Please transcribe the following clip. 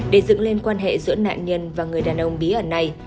để dựng lên quan hệ giữa nạn nhân và người đàn ông bí ẩn này